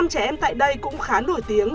năm trẻ em tại đây cũng khá nổi tiếng